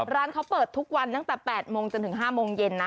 ร้านเขาเปิดทุกวันตั้งแต่๘โมงจนถึง๕โมงเย็นนะ